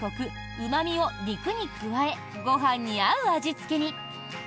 うま味を肉に加えご飯に合う味付けに。